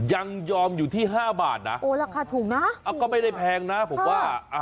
ยังยอมอยู่ที่ห้าบาทนะโอ้ราคาถูกนะก็ไม่ได้แพงนะผมว่า